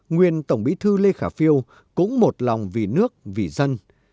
nguyên tổng bí thư lê khả phiêu cũng một lòng vì nước vì dân